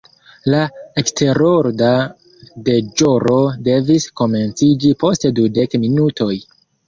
La eksterorda deĵoro devis komenciĝi post dudek minutoj.